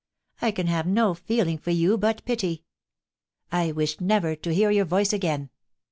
I can have no feeling for you but pity. ... I wish never to hear your voice again.